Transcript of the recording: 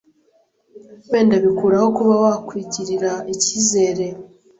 wenda bikuraho kuba wakwigirira icyizere,